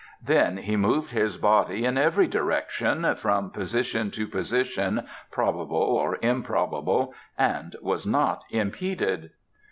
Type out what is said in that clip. Then he moved his body in every direction, from position to position, probable or improbable, and was not impeded.